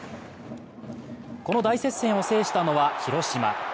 この大接戦を制したのは広島。